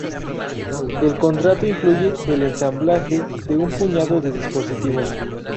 El contrato incluye el ensamblaje de un puñado de dispositivos.